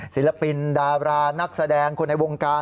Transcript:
ศิลปินดารานักแสดงคนในวงการ